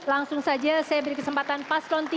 langsung saja saya beri kesempatan paslon tiga